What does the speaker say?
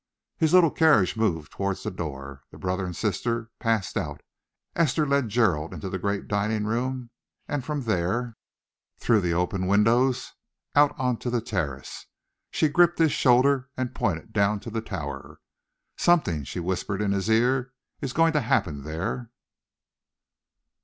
His little carriage moved towards the door. The brother and sister passed out. Esther led Gerald into the great dining room, and from there, through the open windows, out on to the terrace. She gripped his shoulder and pointed down to the Tower. "Something," she whispered in his ear, "is going to happen there."